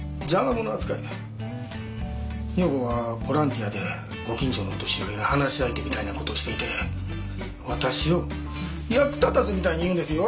女房はボランティアでご近所のお年寄りの話し相手みたいな事をしていて私を役立たずみたいに言うんですよ！